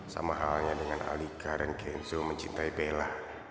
sama halnya dengan alika dan kenzo mencintai bella